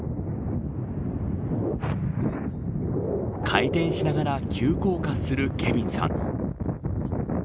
回転しながら急降下するケビンさん。